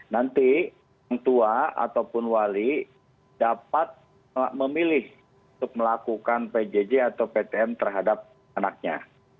nanti tua ataupun wali dapat memilih untuk melakukan pjj atau ptm terhadap anaknya